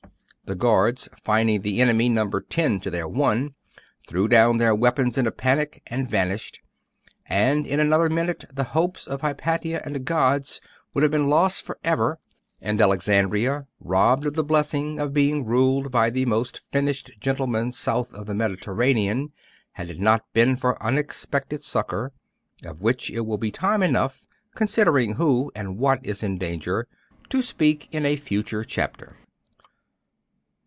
The guards, finding the enemy number ten to their one, threw down their weapons in a panic, and vanished; and in another minute the hopes of Hypatia and the gods would have been lost for ever, and Alexandria robbed of the blessing of being ruled by the most finished gentleman south of the Mediterranean, had it not been for unexpected succour; of which it will be time enough, considering who and what is in danger, to speak in a future chapter.